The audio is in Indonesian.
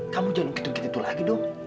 kamu jangan begitu gitu lagi dong